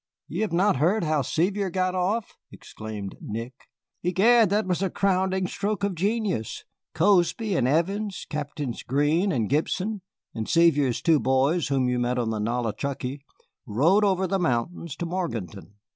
"You have not heard how Sevier got off?" exclaimed Nick. "Egad, that was a crowning stroke of genius! Cozby and Evans, Captains Greene and Gibson, and Sevier's two boys whom you met on the Nollichucky rode over the mountains to Morganton.